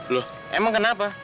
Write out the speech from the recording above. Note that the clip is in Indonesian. loh emang kenapa